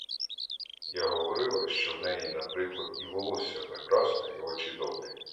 Я говорила, що в неї, наприклад, і волосся прекрасне, і очі добрі.